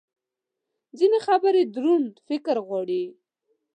ځینې خبرې دروند فکر غواړي.